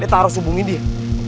betta harus hubungi dia